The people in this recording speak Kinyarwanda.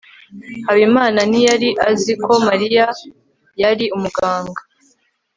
habimana ntiyari azi ko mariya yari umuganga